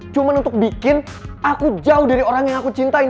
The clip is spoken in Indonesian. cuma untuk bikin aku jauh dari orang yang aku cintai